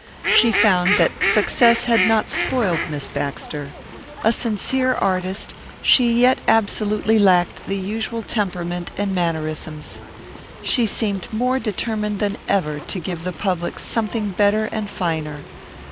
She found that success had not spoiled Miss Baxter. A sincere artist, she yet absolutely lacked the usual temperament and mannerisms. She seemed more determined than ever to give the public something better and finer.